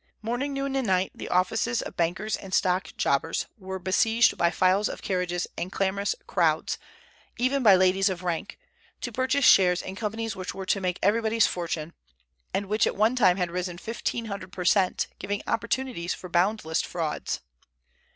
Morning, noon, and night the offices of bankers and stock jobbers were besieged by files of carriages and clamorous crowds, even by ladies of rank, to purchase shares in companies which were to make everybody's fortune, and which at one time had risen fifteen hundred per cent, giving opportunities for boundless frauds.